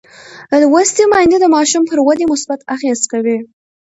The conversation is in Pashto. لوستې میندې د ماشوم پر ودې مثبت اغېز کوي.